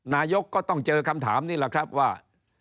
นายกก็ต้องเจอคำถามนี่แหละครับว่า